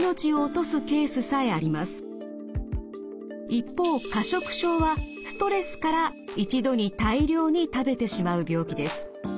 一方過食症はストレスから一度に大量に食べてしまう病気です。